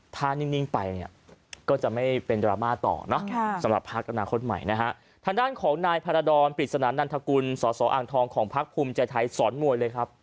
ทางด้านของนายพระราดรปริศนานันทกุลสสอ่างทองของพรรคภูมิใจไทยสอนมวยเลยครับ